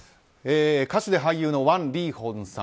歌手で俳優のワン・リーホンさん。